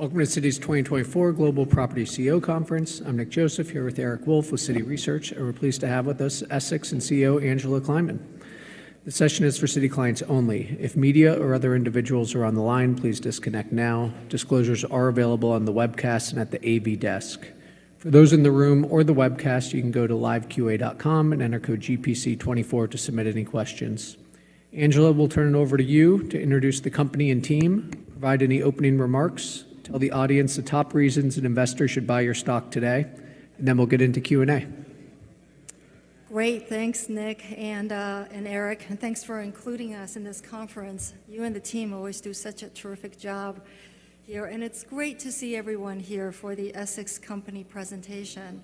Welcome to Citi's 2024 Global Property CEO Conference. I'm Nick Joseph here with Eric Wolfe with Citi Research, and we're pleased to have with us Essex and CEO Angela Kleiman. The session is for Citi clients only. If media or other individuals are on the line, please disconnect now. Disclosures are available on the webcast and at the AV desk. For those in the room or the webcast, you can go to liveqa.com and enter code GPC24 to submit any questions. Angela, we'll turn it over to you to introduce the company and team, provide any opening remarks, tell the audience the top reasons an investor should buy your stock today, and then we'll get into Q&A. Great. Thanks, Nick and Eric. Thanks for including us in this conference. You and the team always do such a terrific job here, and it's great to see everyone here for the Essex company presentation.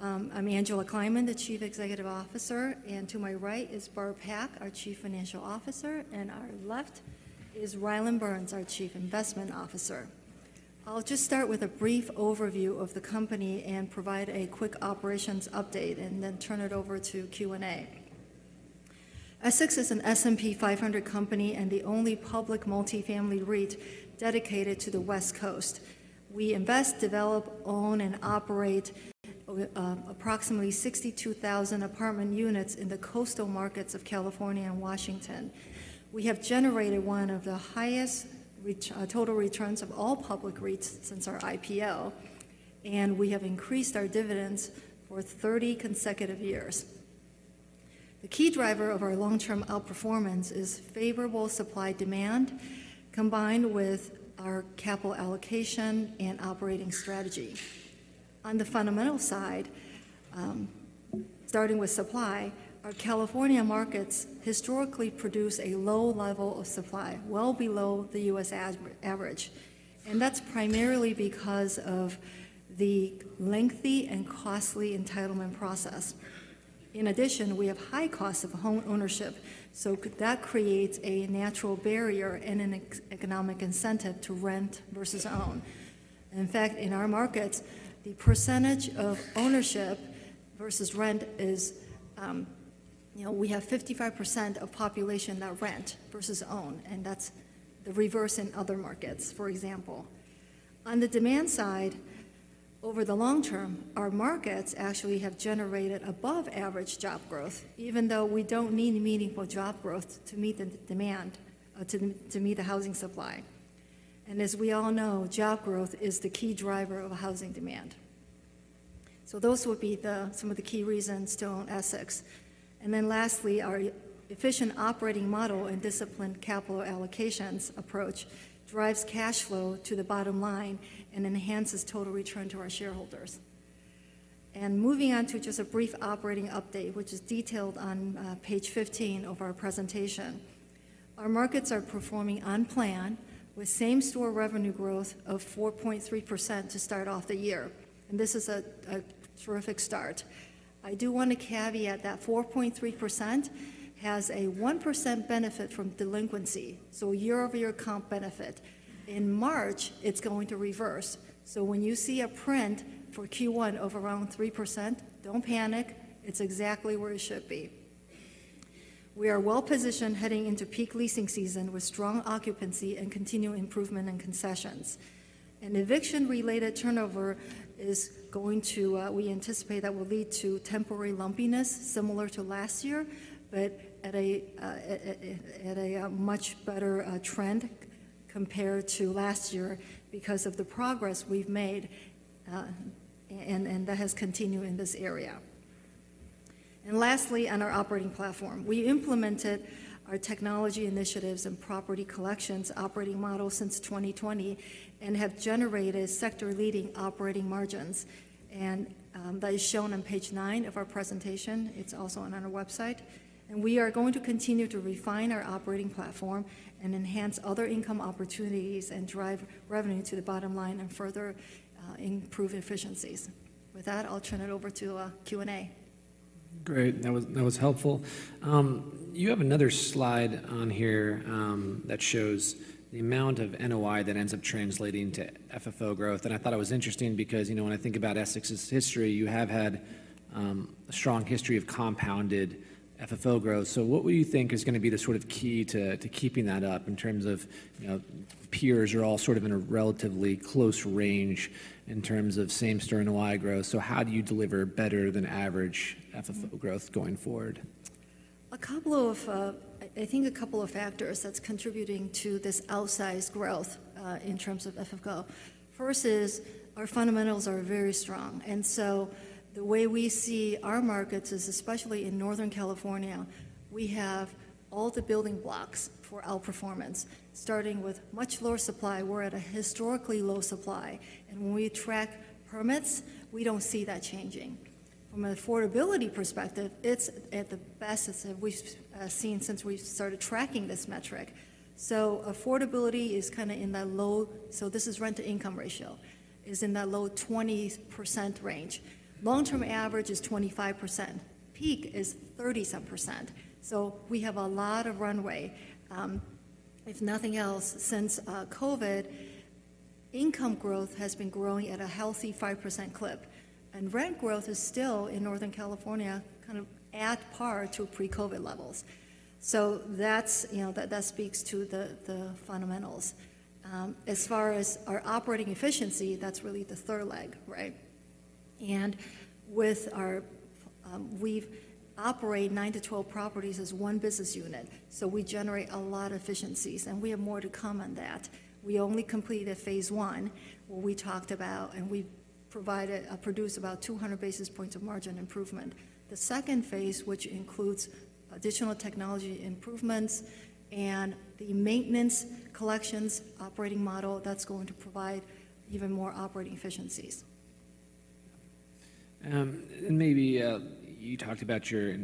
I'm Angela Kleiman, the Chief Executive Officer, and to my right is Barb Pak, our Chief Financial Officer, and on our left is Rylan Burns, our Chief Investment Officer. I'll just start with a brief overview of the company and provide a quick operations update, and then turn it over to Q&A. Essex is an S&P 500 company and the only public multifamily REIT dedicated to the West Coast. We invest, develop, own, and operate approximately 62,000 apartment units in the coastal markets of California and Washington. We have generated one of the highest total returns of all public REITs since our IPO, and we have increased our dividends for 30 consecutive years. The key driver of our long-term outperformance is favorable supply-demand combined with our capital allocation and operating strategy. On the fundamental side, starting with supply, our California markets historically produce a low level of supply, well below the U.S. average, and that's primarily because of the lengthy and costly entitlement process. In addition, we have high costs of home ownership, so that creates a natural barrier and an economic incentive to rent versus own. In fact, in our markets, the percentage of ownership versus rent is, you know, we have 55% of population that rent versus own, and that's the reverse in other markets, for example. On the demand side, over the long term, our markets actually have generated above-average job growth, even though we don't need meaningful job growth to meet the demand, to meet the housing supply. As we all know, job growth is the key driver of housing demand. So those would be some of the key reasons to own Essex. Then lastly, our efficient operating model and disciplined capital allocations approach drives cash flow to the bottom line and enhances total return to our shareholders. Moving on to just a brief operating update, which is detailed on page 15 of our presentation, our markets are performing on plan with same-store revenue growth of 4.3% to start off the year, and this is a terrific start. I do want to caveat that 4.3% has a 1% benefit from delinquency, so a year-over-year comp benefit. In March, it's going to reverse, so when you see a print for Q1 of around 3%, don't panic. It's exactly where it should be. We are well-positioned heading into peak leasing season with strong occupancy and continued improvement and concessions. An eviction-related turnover is going to, we anticipate, that will lead to temporary lumpiness similar to last year, but at a much better trend compared to last year because of the progress we've made, and that has continued in this area. Lastly, on our operating platform, we implemented our technology initiatives and property collections operating model since 2020 and have generated sector-leading operating margins, and that is shown on page 9 of our presentation. It's also on our website. We are going to continue to refine our operating platform and enhance other income opportunities and drive revenue to the bottom line and further improve efficiencies. With that, I'll turn it over to Q&A. Great. That was helpful. You have another slide on here that shows the amount of NOI that ends up translating to FFO growth, and I thought it was interesting because, you know, when I think about Essex's history, you have had a strong history of compounded FFO growth. So what would you think is going to be the sort of key to keeping that up in terms of, you know, peers are all sort of in a relatively close range in terms of same-store NOI growth? So how do you deliver better-than-average FFO growth going forward? A couple of, I think, a couple of factors that's contributing to this outsized growth in terms of FFO. First is our fundamentals are very strong, and so the way we see our markets is especially in Northern California, we have all the building blocks for outperformance, starting with much lower supply. We're at a historically low supply, and when we track permits, we don't see that changing. From an affordability perspective, it's at the best we've seen since we started tracking this metric. So affordability is kind of in that low so this is rent-to-income ratio is in that low 20% range. Long-term average is 25%. Peak is 30-some %. So we have a lot of runway. If nothing else, since COVID, income growth has been growing at a healthy 5% clip, and rent growth is still, in Northern California, kind of at par to pre-COVID levels. So that's, you know, that speaks to the fundamentals. As far as our operating efficiency, that's really the third leg, right? And with our we've operate 9-12 properties as one business unit, so we generate a lot of efficiencies, and we have more to come on that. We only completed phase one where we talked about and we provided about 200 basis points of margin improvement. The second phase, which includes additional technology improvements and the maintenance collections operating model, that's going to provide even more operating efficiencies. Maybe you talked about your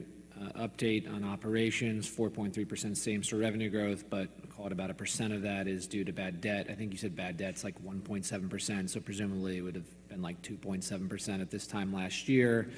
update on operations, 4.3% same-store revenue growth, but call it about a percent of that is due to bad debt. I think you said bad debt's like 1.7%, so presumably it would have been like 2.7% at this time last year.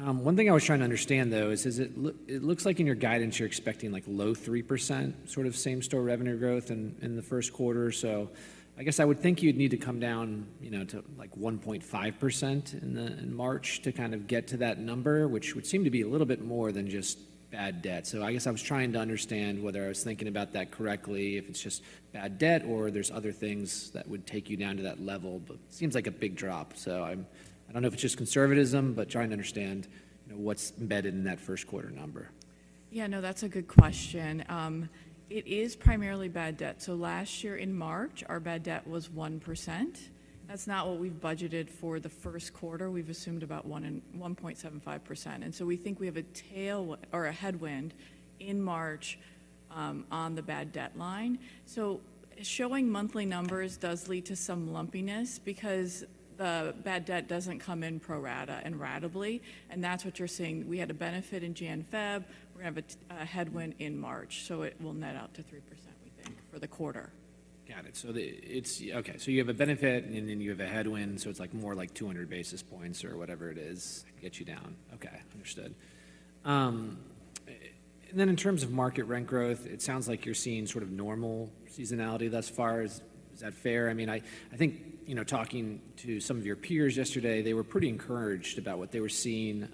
One thing I was trying to understand, though, is, it looks like in your guidance you're expecting, like, low 3% sort of same-store revenue growth in the first quarter, so I guess I would think you'd need to come down, you know, to, like, 1.5% in March to kind of get to that number, which would seem to be a little bit more than just bad debt. So, I guess I was trying to understand whether I was thinking about that correctly, if it's just bad debt or there's other things that would take you down to that level, but it seems like a big drop, so I'm. I don't know if it's just conservatism, but trying to understand, you know, what's embedded in that first quarter number. Yeah, no, that's a good question. It is primarily bad debt. So last year in March, our bad debt was 1%. That's not what we've budgeted for the first quarter. We've assumed about 1.75%, and so we think we have a tail or a headwind in March on the bad debt line. So showing monthly numbers does lead to some lumpiness because the bad debt doesn't come in pro rata and ratably, and that's what you're seeing. We had a benefit in January/February. We're going to have a headwind in March, so it will net out to 3%, we think, for the quarter. Got it. So, it's okay. So you have a benefit, and then you have a headwind, so it's like more like 200 basis points or whatever it is that gets you down. Okay. Understood. And then in terms of market rent growth, it sounds like you're seeing sort of normal seasonality thus far. Is that fair? I mean, I think, you know, talking to some of your peers yesterday, they were pretty encouraged about what they were seeing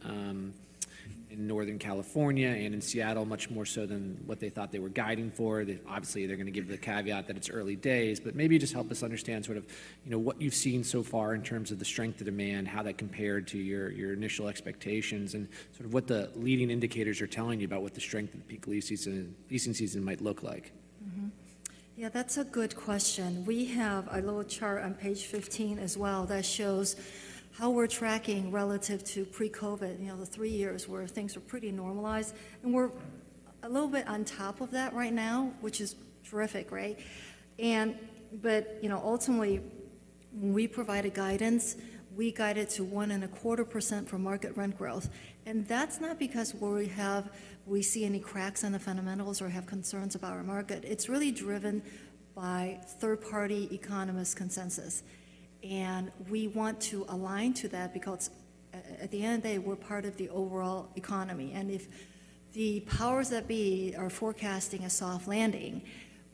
in Northern California and in Seattle, much more so than what they thought they were guiding for. Obviously, they're going to give the caveat that it's early days, but maybe just help us understand sort of, you know, what you've seen so far in terms of the strength of demand, how that compared to your initial expectations, and sort of what the leading indicators are telling you about what the strength of the peak leasing season might look like? Yeah, that's a good question. We have a little chart on page 15 as well that shows how we're tracking relative to pre-COVID, you know, the three years where things were pretty normalized, and we're a little bit on top of that right now, which is terrific, right? You know, ultimately, when we provide guidance, we guide it to 1.25% for market rent growth, and that's not because we see any cracks in the fundamentals or have concerns about our market. It's really driven by third-party economists' consensus, and we want to align to that because it's at the end of the day, we're part of the overall economy, and if the powers that be are forecasting a soft landing,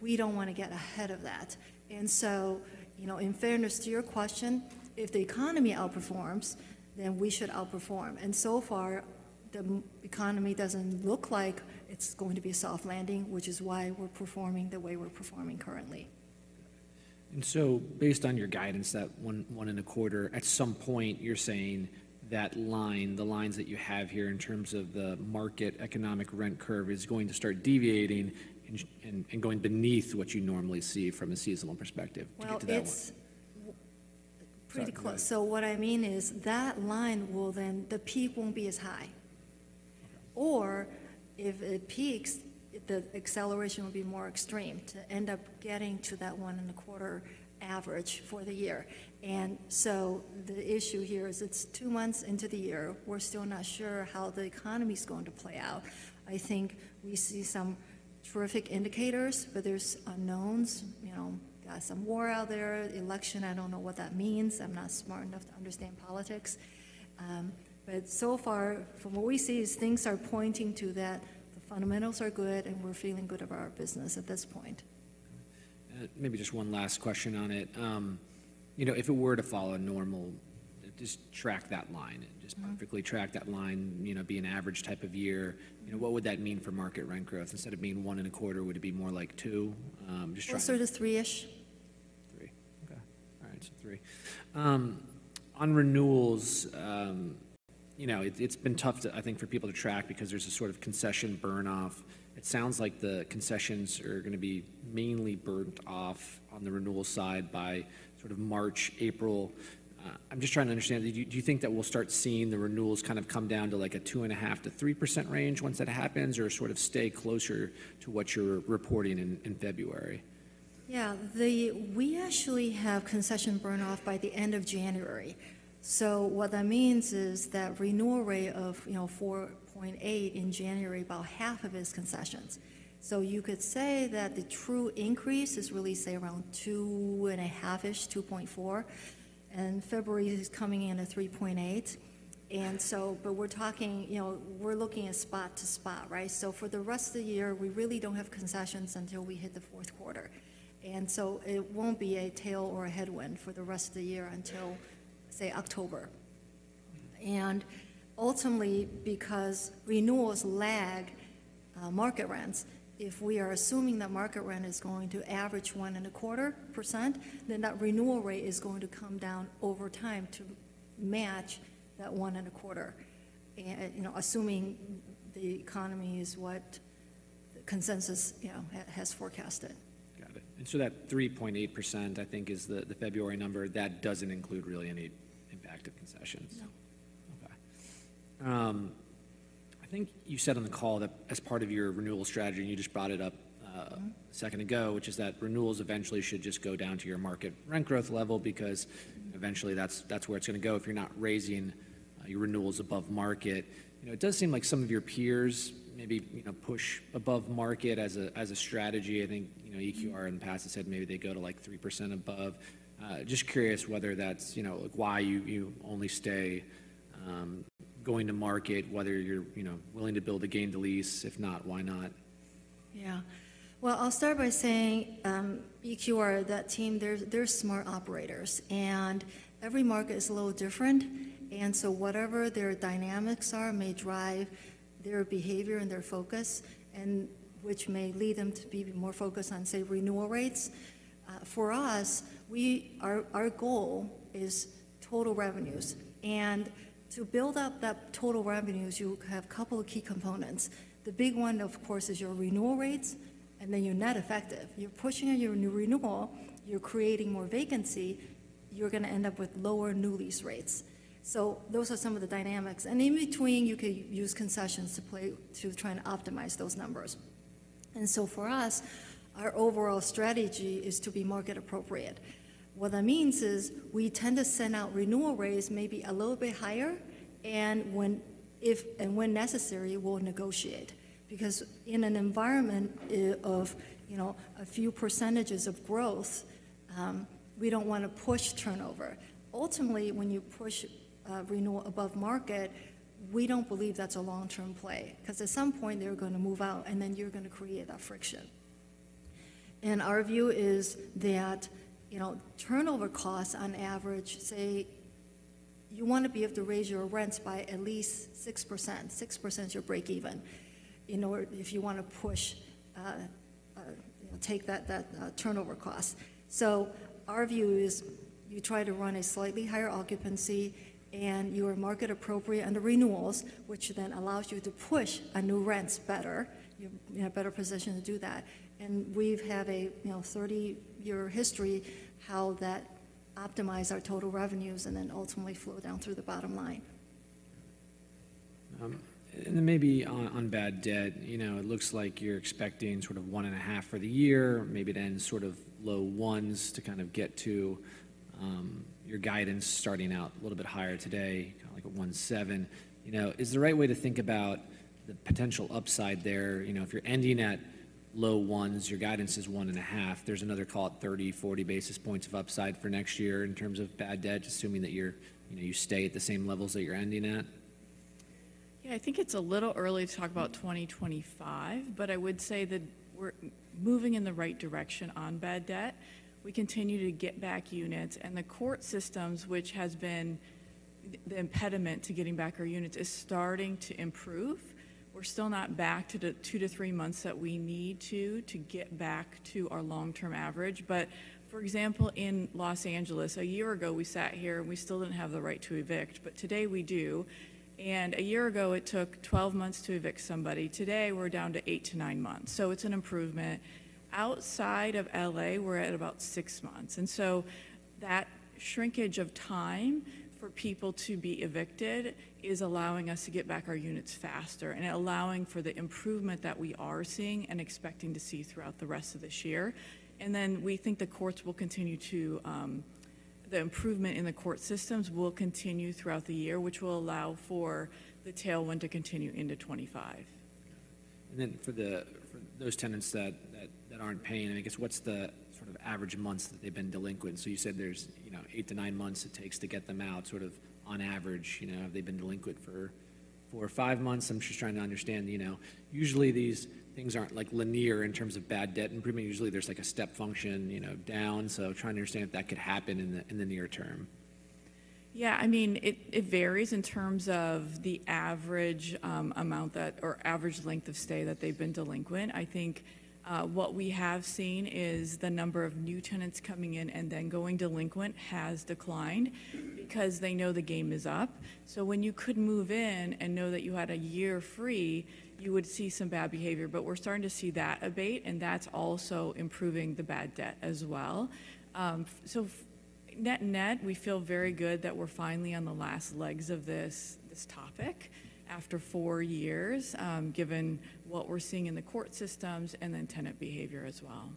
we don't want to get ahead of that. And so, you know, in fairness to your question, if the economy outperforms, then we should outperform, and so far, the economy doesn't look like it's going to be a soft landing, which is why we're performing the way we're performing currently. So based on your guidance, that 1.25, at some point, you're saying that line, the lines that you have here in terms of the market economic rent curve, is going to start deviating and going beneath what you normally see from a seasonal perspective. Get to that one. Well, it's pretty close. So what I mean is that line will then the peak won't be as high, or if it peaks, the acceleration will be more extreme to end up getting to that 1.25 average for the year. And so the issue here is it's two months into the year. We're still not sure how the economy's going to play out. I think we see some terrific indicators, but there's unknowns. You know, got some war out there, election. I don't know what that means. I'm not smart enough to understand politics. But so far, from what we see, is things are pointing to that the fundamentals are good, and we're feeling good about our business at this point. Maybe just one last question on it. You know, if it were to follow a normal just track that line, just perfectly track that line, you know, be an average type of year, you know, what would that mean for market rent growth? Instead of being 1.25, would it be more like 2? Just trying. Sort of 3-ish. 3. Okay. All right. So on renewals, you know, it's been tough to, I think, for people to track because there's a sort of concession burn-off. It sounds like the concessions are going to be mainly burned off on the renewal side by sort of March, April. I'm just trying to understand. Do you think that we'll start seeing the renewals kind of come down to like a 2.5%-3% range once that happens or sort of stay closer to what you're reporting in February? Yeah. We actually have concession burn-off by the end of January, so what that means is that renewal rate of, you know, 4.8% in January, about half of it is concessions. So you could say that the true increase is really, say, around 2.5%-ish, 2.4%, and February is coming in at 3.8%. And so but we're talking, you know, we're looking at spot to spot, right? So for the rest of the year, we really don't have concessions until we hit the fourth quarter, and so it won't be a tail or a headwind for the rest of the year until, say, October. And ultimately, because renewals lag market rents, if we are assuming that market rent is going to average 1.25%, then that renewal rate is going to come down over time to match that 1.25%, you know, assuming the economy is what the consensus, you know, has forecasted. Got it. And so that 3.8%, I think, is the February number. That doesn't include really any impact of concessions. No. Okay. I think you said on the call that as part of your renewal strategy, and you just brought it up a second ago, which is that renewals eventually should just go down to your market rent growth level because eventually that's where it's going to go if you're not raising your renewals above market. You know, it does seem like some of your peers maybe, you know, push above market as a strategy. I think, you know, EQR in the past has said maybe they go to like 3% above. Just curious whether that's, you know, like why you only stay going to market, whether you're, you know, willing to build a Gain to Lease. If not, why not? Yeah. Well, I'll start by saying EQR, that team, they're smart operators, and every market is a little different, and so whatever their dynamics are may drive their behavior and their focus, and which may lead them to be more focused on, say, renewal rates. For us, our goal is total revenues, and to build up that total revenues, you have a couple of key components. The big one, of course, is your renewal rates, and then your net effective. You're pushing on your new renewal. You're creating more vacancy. You're going to end up with lower new lease rates. So those are some of the dynamics, and in between, you could use concessions to play to try and optimize those numbers. And so for us, our overall strategy is to be market-appropriate. What that means is we tend to send out renewal rates maybe a little bit higher, and when if and when necessary, we'll negotiate because in an environment of, you know, a few percentages of growth, we don't want to push turnover. Ultimately, when you push renewal above market, we don't believe that's a long-term play because at some point, they're going to move out, and then you're going to create that friction. Our view is that, you know, turnover costs on average, say, you want to be able to raise your rents by at least 6%. 6% is your break-even in order if you want to push, you know, take that turnover cost. So our view is you try to run a slightly higher occupancy, and you are market-appropriate under renewals, which then allows you to push on new rents better. You're in a better position to do that, and we've had a, you know, 30-year history how that optimized our total revenues and then ultimately flowed down through the bottom line. And then maybe on bad debt, you know, it looks like you're expecting sort of 1.5 for the year, maybe then sort of low 1s to kind of get to your guidance starting out a little bit higher today, kind of like a 1.7. You know, is the right way to think about the potential upside there? You know, if you're ending at low 1s, your guidance is 1.5. There's another call at 30-40 basis points of upside for next year in terms of bad debt, assuming that you're, you know, you stay at the same levels that you're ending at. Yeah. I think it's a little early to talk about 2025, but I would say that we're moving in the right direction on bad debt. We continue to get back units, and the court systems, which has been the impediment to getting back our units, is starting to improve. We're still not back to the 2-3 months that we need to get back to our long-term average. But for example, in Los Angeles, a year ago, we sat here, and we still didn't have the right to evict, but today we do, and a year ago, it took 12 months to evict somebody. Today, we're down to 8-9 months, so it's an improvement. Outside of L.A., we're at about six months, and so that shrinkage of time for people to be evicted is allowing us to get back our units faster and allowing for the improvement that we are seeing and expecting to see throughout the rest of this year. And then we think the courts will continue to the improvement in the court systems will continue throughout the year, which will allow for the tailwind to continue into 2025. Got it. And then for those tenants that aren't paying, I guess, what's the sort of average months that they've been delinquent? So you said there's, you know, 8-9 months it takes to get them out sort of on average. You know, have they been delinquent for 4 or 5 months? I'm just trying to understand. You know, usually, these things aren't like linear in terms of bad debt improvement. Usually, there's like a step function, you know, down, so trying to understand if that could happen in the near term. Yeah. I mean, it varies in terms of the average amount that or average length of stay that they've been delinquent. I think what we have seen is the number of new tenants coming in and then going delinquent has declined because they know the game is up. So when you could move in and know that you had a year free, you would see some bad behavior, but we're starting to see that abate, and that's also improving the bad debt as well. So net and net, we feel very good that we're finally on the last legs of this topic after four years, given what we're seeing in the court systems and then tenant behavior as well.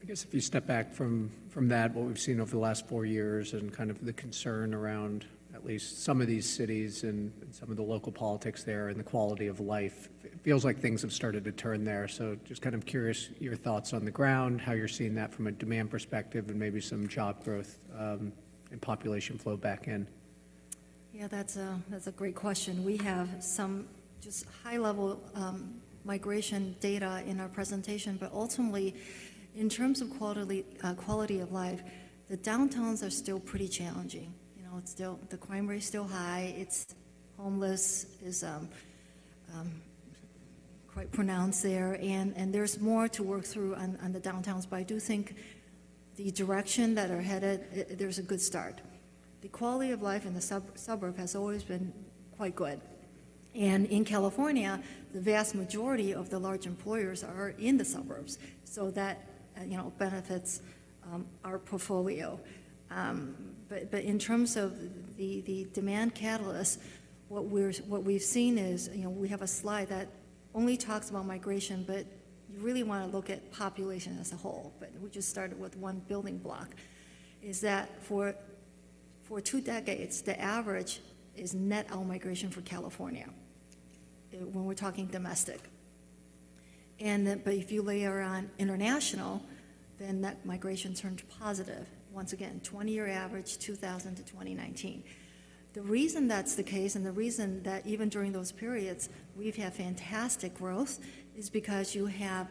I guess if you step back from that, what we've seen over the last four years and kind of the concern around at least some of these cities and some of the local politics there and the quality of life, it feels like things have started to turn there. Just kind of curious, your thoughts on the ground, how you're seeing that from a demand perspective and maybe some job growth and population flow back in. Yeah. That's a great question. We have some just high-level migration data in our presentation, but ultimately, in terms of quality of life, the downtowns are still pretty challenging. You know, it's still the crime rate is still high. It's homeless is quite pronounced there, and there's more to work through on the downtowns, but I do think the direction that they're headed, there's a good start. The quality of life in the suburb has always been quite good, and in California, the vast majority of the large employers are in the suburbs, so that, you know, benefits our portfolio. But in terms of the demand catalyst, what we've seen is, you know, we have a slide that only talks about migration, but you really want to look at population as a whole. But we just started with one building block, that for two decades, the average is net out-migration for California when we're talking domestic. And then but if you layer on international, then that migration turned positive. Once again, 20-year average, 2000 to 2019. The reason that's the case and the reason that even during those periods, we've had fantastic growth is because you have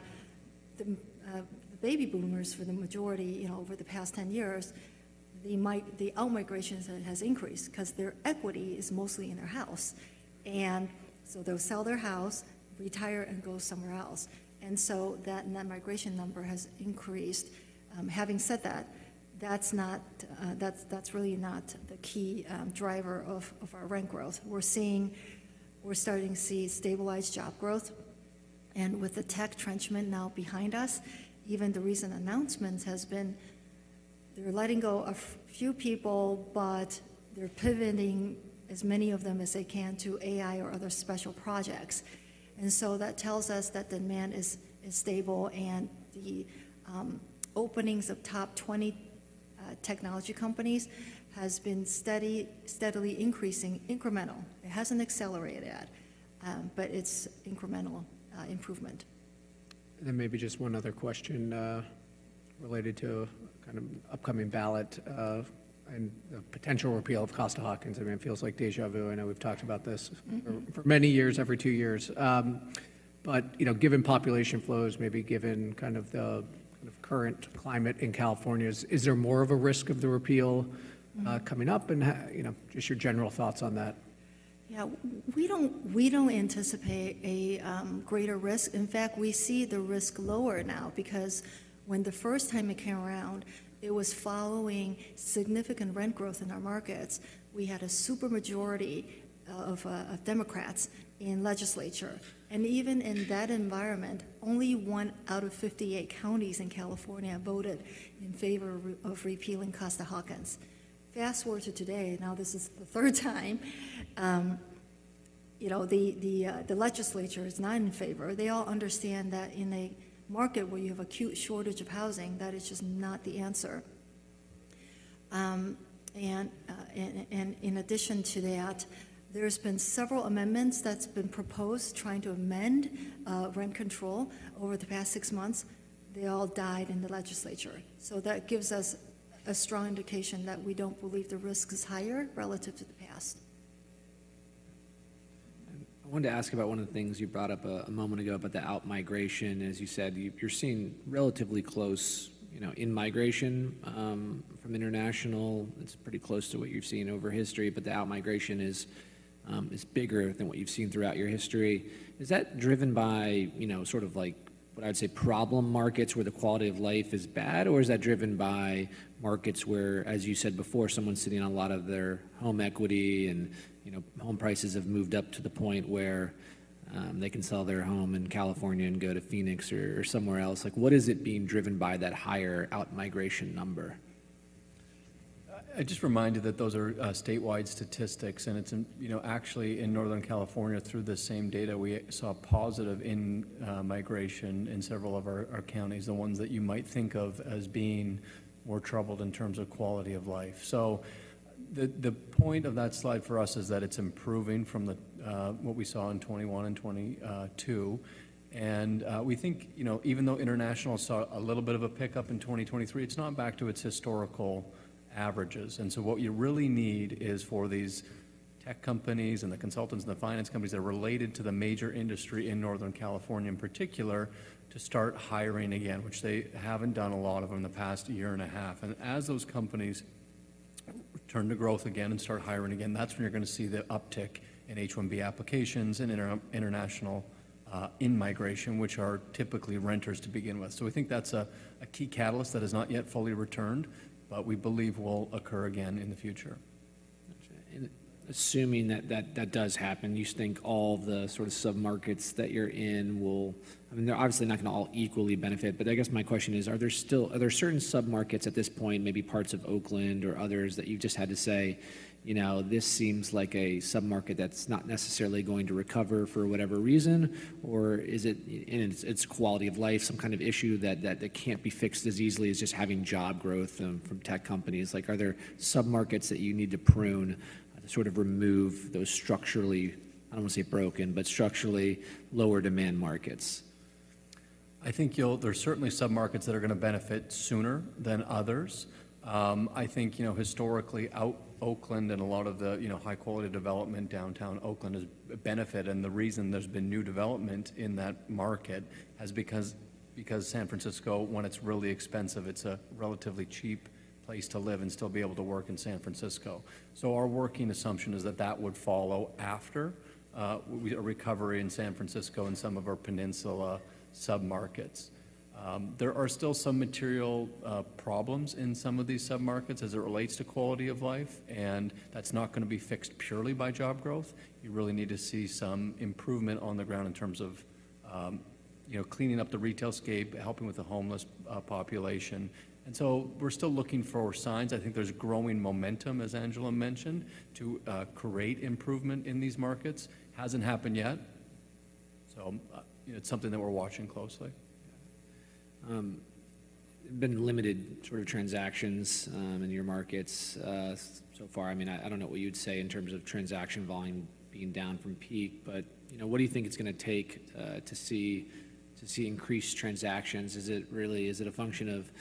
the Baby Boomers for the majority, you know, over the past 10 years, the out-migration has increased because their equity is mostly in their house, and so they'll sell their house, retire, and go somewhere else. And so that net migration number has increased. Having said that, that's not. That's really not the key driver of our rent growth. We're starting to see stabilized job growth, and with the tech retrenchment now behind us, even the recent announcements has been they're letting go of a few people, but they're pivoting as many of them as they can to AI or other special projects. And so that tells us that demand is stable, and the openings of top 20 technology companies have been steadily increasing, incremental. It hasn't accelerated yet, but it's incremental improvement. And then maybe just one other question related to kind of upcoming ballot and the potential repeal of Costa-Hawkins. I mean, it feels like déjà vu. I know we've talked about this for many years, every two years, but, you know, given population flows, maybe given kind of the kind of current climate in California, is there more of a risk of the repeal coming up? And, you know, just your general thoughts on that. Yeah. We don't anticipate a greater risk. In fact, we see the risk lower now because when the first time it came around, it was following significant rent growth in our markets. We had a super majority of Democrats in legislature, and even in that environment, only one out of 58 counties in California voted in favor of repealing Costa-Hawkins. Fast forward to today. Now, this is the third time. You know, the legislature is not in favor. They all understand that in a market where you have acute shortage of housing, that is just not the answer. And in addition to that, there's been several amendments that's been proposed trying to amend rent control over the past six months. They all died in the legislature, so that gives us a strong indication that we don't believe the risk is higher relative to the past. I wanted to ask about one of the things you brought up a moment ago about the out-migration. As you said, you're seeing relatively close, you know, in-migration from international. It's pretty close to what you've seen over history, but the out-migration is bigger than what you've seen throughout your history. Is that driven by, you know, sort of like what I would say problem markets where the quality of life is bad, or is that driven by markets where, as you said before, someone's sitting on a lot of their home equity and, you know, home prices have moved up to the point where they can sell their home in California and go to Phoenix or somewhere else? Like, what is it being driven by, that higher out-migration number? I just remind you that those are statewide statistics, and it's, you know, actually in Northern California, through the same data, we saw positive in migration in several of our counties, the ones that you might think of as being more troubled in terms of quality of life. So the point of that slide for us is that it's improving from what we saw in 2021 and 2022, and we think, you know, even though international saw a little bit of a pickup in 2023, it's not back to its historical averages. And so what you really need is for these tech companies and the consultants and the finance companies that are related to the major industry in Northern California in particular to start hiring again, which they haven't done a lot of in the past year and a half. As those companies turn to growth again and start hiring again, that's when you're going to see the uptick in H-1B applications and international immigration, which are typically renters to begin with. We think that's a key catalyst that has not yet fully returned, but we believe will occur again in the future. Gotcha. And assuming that that does happen, you just think all the sort of submarkets that you're in will, I mean, they're obviously not going to all equally benefit, but I guess my question is, are there still certain submarkets at this point, maybe parts of Oakland or others, that you've just had to say, you know, this seems like a submarket that's not necessarily going to recover for whatever reason, or is it, and it's quality of life, some kind of issue that can't be fixed as easily as just having job growth from tech companies? Like, are there submarkets that you need to prune to sort of remove those structurally, I don't want to say broken, but structurally lower demand markets? I think, there's certainly submarkets that are going to benefit sooner than others. I think, you know, historically, Oakland and a lot of the, you know, high-quality development downtown Oakland has benefited, and the reason there's been new development in that market has because San Francisco, when it's really expensive, it's a relatively cheap place to live and still be able to work in San Francisco. So our working assumption is that that would follow after a recovery in San Francisco and some of our peninsula submarkets. There are still some material problems in some of these submarkets as it relates to quality of life, and that's not going to be fixed purely by job growth. You really need to see some improvement on the ground in terms of, you know, cleaning up the retail scape, helping with the homeless population. And so we're still looking for signs. I think there's growing momentum, as Angela mentioned, to create improvement in these markets. Hasn't happened yet, so, you know, it's something that we're watching closely. There have been limited sort of transactions in your markets so far. I mean, I don't know what you'd say in terms of transaction volume being down from peak, but, you know, what do you think it's going to take to see increased transactions? Is it really a function of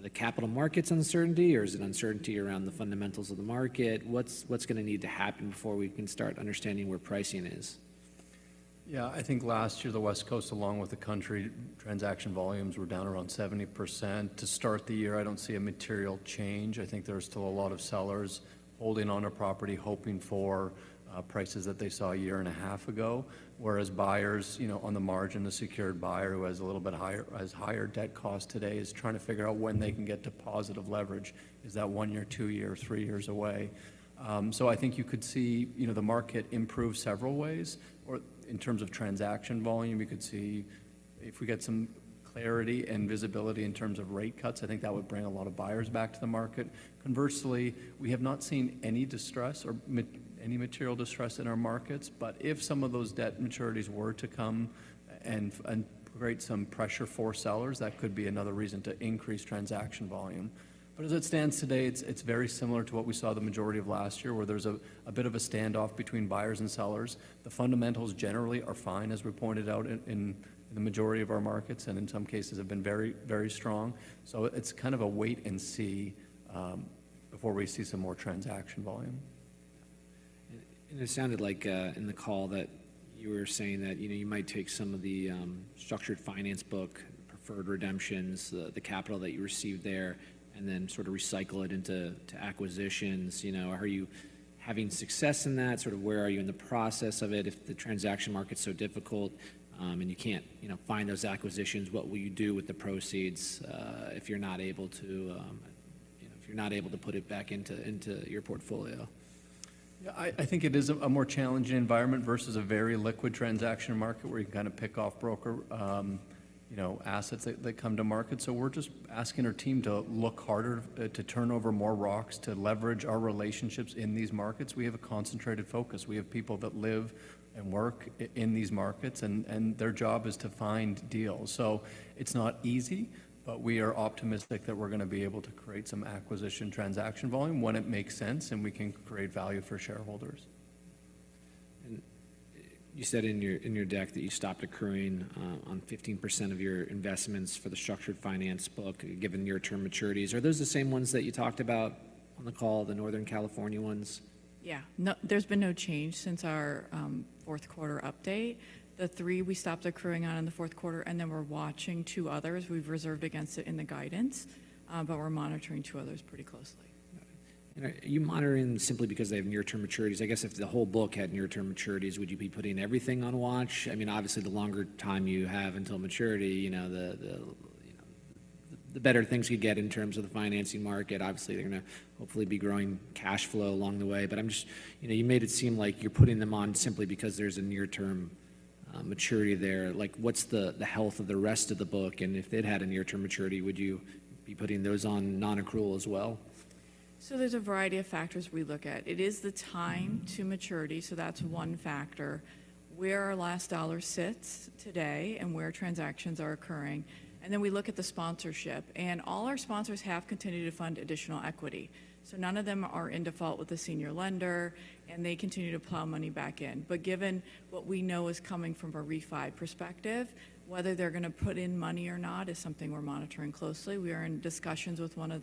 the capital markets uncertainty, or is it uncertainty around the fundamentals of the market? What's going to need to happen before we can start understanding where pricing is? Yeah. I think last year, the West Coast, along with the country, transaction volumes were down around 70%. To start the year, I don't see a material change. I think there's still a lot of sellers holding on to property, hoping for prices that they saw a year and a half ago, whereas buyers, you know, on the margin, the secured buyer who has a little bit higher has higher debt costs today is trying to figure out when they can get to positive leverage. Is that one year, two years, three years away? So I think you could see, you know, the market improve several ways. Or in terms of transaction volume, you could see if we get some clarity and visibility in terms of rate cuts, I think that would bring a lot of buyers back to the market. Conversely, we have not seen any distress or any material distress in our markets, but if some of those debt maturities were to come and create some pressure for sellers, that could be another reason to increase transaction volume. But as it stands today, it's very similar to what we saw the majority of last year, where there's a bit of a standoff between buyers and sellers. The fundamentals generally are fine, as we pointed out, in the majority of our markets, and in some cases, have been very, very strong. So it's kind of a wait and see before we see some more transaction volume. It sounded like in the call that you were saying that, you know, you might take some of the structured finance book, preferred redemptions, the capital that you received there, and then sort of recycle it into acquisitions. You know, are you having success in that? Sort of where are you in the process of it if the transaction market's so difficult and you can't, you know, find those acquisitions? What will you do with the proceeds if you're not able to, you know, if you're not able to put it back into your portfolio? Yeah. I think it is a more challenging environment versus a very liquid transaction market where you can kind of pick off broker, you know, assets that come to market. So we're just asking our team to look harder to turn over more rocks, to leverage our relationships in these markets. We have a concentrated focus. We have people that live and work in these markets, and their job is to find deals. So it's not easy, but we are optimistic that we're going to be able to create some acquisition transaction volume when it makes sense and we can create value for shareholders. You said in your deck that you stopped accruing on 15% of your investments for the structured finance book, given near-term maturities. Are those the same ones that you talked about on the call, the Northern California ones? Yeah. There's been no change since our fourth quarter update. The three we stopped accruing on in the fourth quarter, and then we're watching two others. We've reserved against it in the guidance, but we're monitoring two others pretty closely. Got it. And are you monitoring simply because they have near-term maturities? I guess if the whole book had near-term maturities, would you be putting everything on watch? I mean, obviously, the longer time you have until maturity, you know, the, you know, the better things you get in terms of the financing market. Obviously, they're going to hopefully be growing cash flow along the way, but I'm just you know, you made it seem like you're putting them on simply because there's a near-term maturity there. Like, what's the health of the rest of the book? And if they'd had a near-term maturity, would you be putting those on non-accrual as well? So there's a variety of factors we look at. It is the time to maturity, so that's one factor, where our last dollar sits today and where transactions are occurring. And then we look at the sponsorship, and all our sponsors have continued to fund additional equity. So none of them are in default with a senior lender, and they continue to plow money back in. But given what we know is coming from a refi perspective, whether they're going to put in money or not is something we're monitoring closely. We are in discussions with one of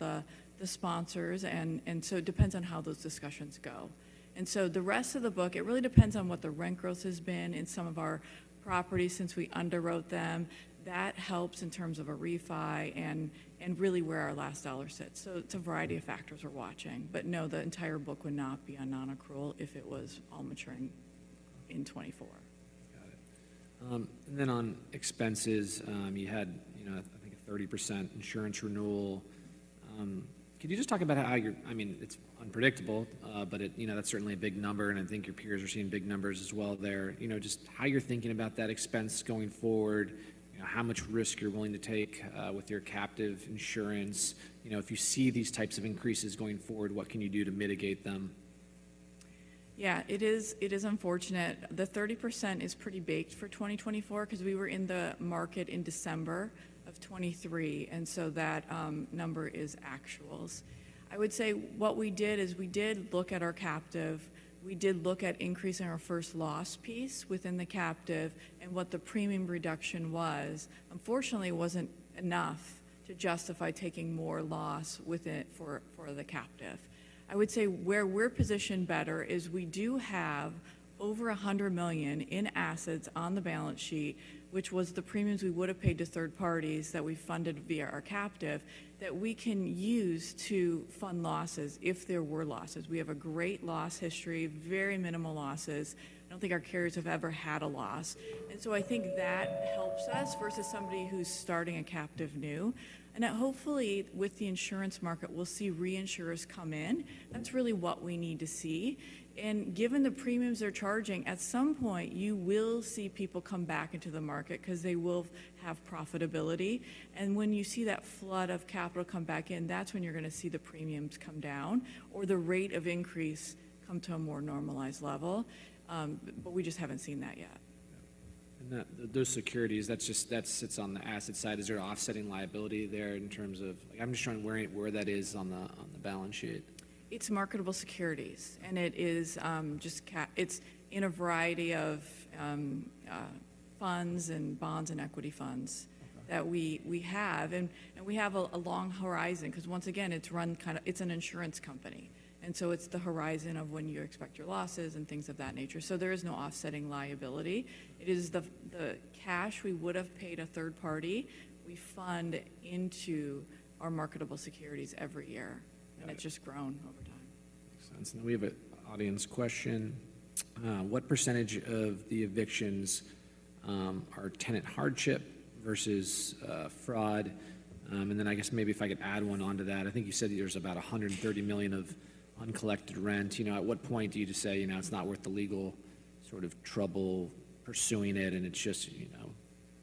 the sponsors, and so it depends on how those discussions go. And so the rest of the book, it really depends on what the rent growth has been in some of our properties since we underwrote them. That helps in terms of a REFI and really where our last dollar sits. So it's a variety of factors we're watching, but no, the entire book would not be on non-accrual if it was all maturing in 2024. Got it. And then on expenses, you had, you know, I think a 30% insurance renewal. Could you just talk about how your—I mean, it's unpredictable, but it, you know, that's certainly a big number, and I think your peers are seeing big numbers as well there. You know, just how you're thinking about that expense going forward, you know, how much risk you're willing to take with your captive insurance. You know, if you see these types of increases going forward, what can you do to mitigate them? Yeah. It is unfortunate. The 30% is pretty baked for 2024 because we were in the market in December of 2023, and so that number is actuals. I would say what we did is we did look at our captive. We did look at increasing our first loss piece within the captive and what the premium reduction was. Unfortunately, it wasn't enough to justify taking more loss with it for the captive. I would say where we're positioned better is we do have over $100 million in assets on the balance sheet, which was the premiums we would have paid to third parties that we funded via our captive that we can use to fund losses if there were losses. We have a great loss history, very minimal losses. I don't think our carriers have ever had a loss. So I think that helps us versus somebody who's starting a captive anew. Hopefully, with the insurance market, we'll see reinsurers come in. That's really what we need to see. Given the premiums they're charging, at some point, you will see people come back into the market because they will have profitability. When you see that flood of capital come back in, that's when you're going to see the premiums come down or the rate of increase come to a more normalized level. But we just haven't seen that yet. Got it. And those securities, that's just that sits on the asset side. Is there offsetting liability there in terms of like, I'm just trying to where that is on the balance sheet. It's marketable securities, and it is just, it's in a variety of funds and bonds and equity funds that we have. And we have a long horizon because, once again, it's run kind of, it's an insurance company, and so it's the horizon of when you expect your losses and things of that nature. So there is no offsetting liability. It is the cash we would have paid a third party. We fund into our marketable securities every year, and it's just grown over time. Makes sense. And then we have an audience question. What percentage of the evictions are tenant hardship versus fraud? And then I guess maybe if I could add one onto that, I think you said there's about $130 million of uncollected rent. You know, at what point do you just say, you know, it's not worth the legal sort of trouble pursuing it, and it's just, you know,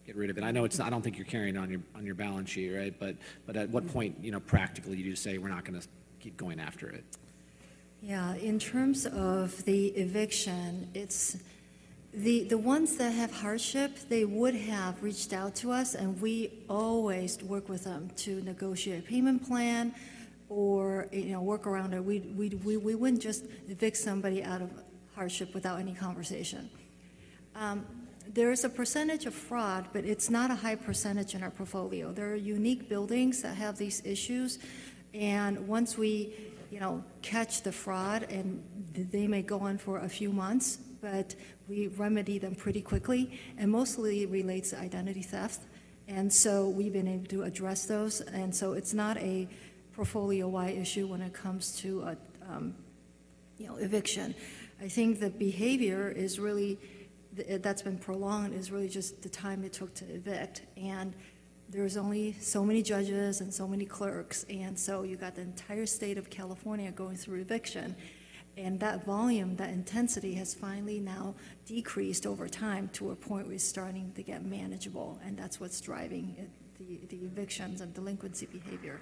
get rid of it? I know it's not, I don't think you're carrying it on your balance sheet, right? But at what point, you know, practically, do you just say we're not going to keep going after it? Yeah. In terms of the eviction, it's the ones that have hardship. They would have reached out to us, and we always work with them to negotiate a payment plan or, you know, work around it. We wouldn't just evict somebody out of hardship without any conversation. There is a percentage of fraud, but it's not a high percentage in our portfolio. There are unique buildings that have these issues, and once we, you know, catch the fraud, they may go on for a few months, but we remedy them pretty quickly. And mostly, it relates to identity theft. And so we've been able to address those. And so it's not a portfolio-wide issue when it comes to, you know, eviction. I think the behavior is really that's been prolonged is really just the time it took to evict. There's only so many judges and so many clerks, and so you've got the entire state of California going through eviction. That volume, that intensity has finally now decreased over time to a point where it's starting to get manageable, and that's what's driving the evictions and delinquency behavior.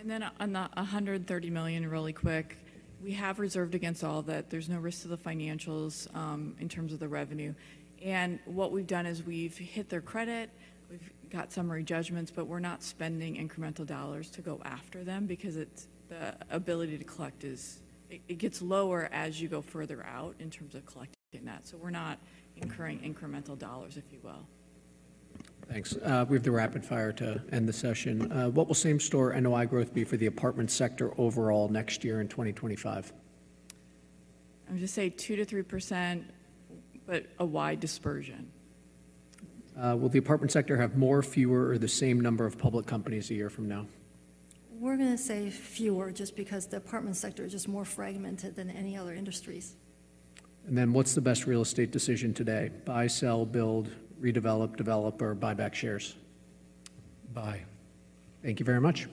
And then on the $130 million, really quick, we have reserved against all that. There's no risk to the financials in terms of the revenue. And what we've done is we've hit their credit. We've got summary judgments, but we're not spending incremental dollars to go after them because it's the ability to collect is it gets lower as you go further out in terms of collecting that. So we're not incurring incremental dollars, if you will. Thanks. We have the rapid fire to end the session. What will same-store NOI growth be for the apartment sector overall next year in 2025? I would just say 2%-3%, but a wide dispersion. Will the apartment sector have more, fewer, or the same number of public companies a year from now? We're going to say fewer just because the apartment sector is just more fragmented than any other industries. And then what's the best real estate decision today? Buy, sell, build, redevelop, develop, or buy back shares? Buy. Thank you very much.